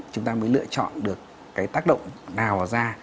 chúng ta mới lựa chọn được cái tác động nào ra